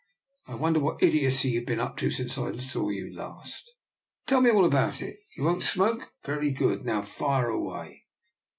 I wonder what idiocy you've been up to since I saw you last. Tell me all about it. You won't smoke? Very good! now fire away!